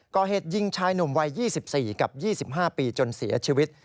ก่อเหตุยิงชายหนุ่มวัย๒๔กับ๒๕ปีจนเสียชีวิต